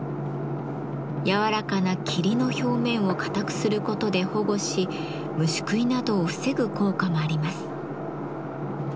軟らかな桐の表面を硬くすることで保護し虫食いなどを防ぐ効果もあります。